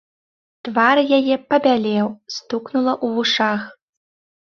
Твар яе пабялеў, стукнула ў вушах.